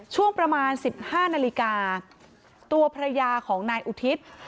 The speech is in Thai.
ช่วงประมาณ๑๕นาฬิกาตัวภรรยาของนายอุทิศ